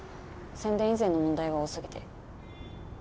宣伝以前の問題が多すぎて。